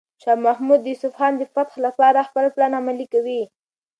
شاه محمود د اصفهان د فتح لپاره خپل پلان عملي کوي.